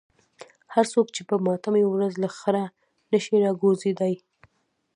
هر څوک چې په ماتمي ورځ له خره نشي راکوزېدای.